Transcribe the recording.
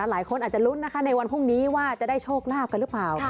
หลายคนอาจจะลุ้นนะคะในวันพรุ่งนี้ว่าจะได้โชคลาภกันหรือเปล่า